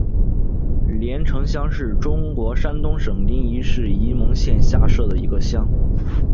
联城乡是中国山东省临沂市蒙阴县下辖的一个乡。